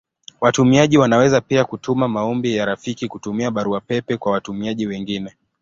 Watumiaji wanaweza pia kutuma maombi ya rafiki kutumia Barua pepe kwa watumiaji wengine.